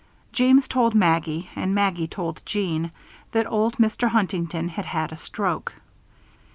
James told Maggie, and Maggie told Jeanne, that old Mr. Huntington had had a stroke.